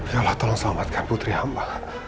ya allah tolong selamatkan putri apa